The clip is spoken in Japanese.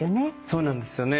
そうなんですよね。